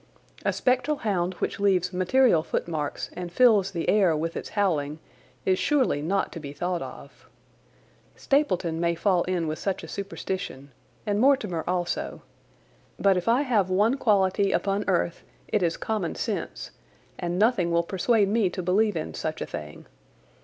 A spectral hound which leaves material footmarks and fills the air with its howling is surely not to be thought of. Stapleton may fall in with such a superstition, and Mortimer also, but if I have one quality upon earth it is common sense, and nothing will persuade me to believe in such a thing.